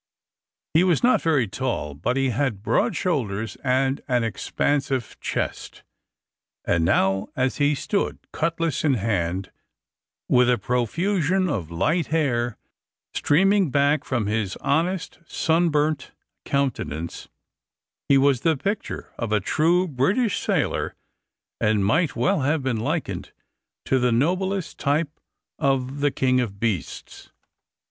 He was not very tall, but he had broad shoulders and an expansive chest; and now, as he stood cutlass in hand, with a profusion of light hair streaming back from his honest sunburnt countenance, he was the picture of a true British sailor, and might well have been likened to the noblest type of the king of beasts.